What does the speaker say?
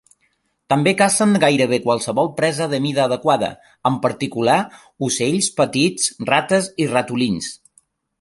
També cacen gairebé qualsevol presa de mida adequada, en particular ocells petits, rates i ratolins.